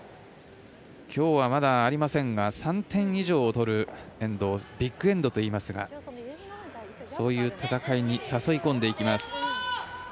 きょうは、まだありませんが３点以上取るエンドをビッグエンドといいますがそういう戦いに誘い込んでいきます。